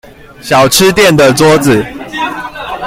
小吃店的桌子